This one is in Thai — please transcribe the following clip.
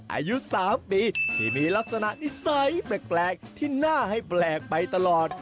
อายุ๓ปีที่มีลักษณะนิสัยแปลกที่น่าให้แปลกไปตลอด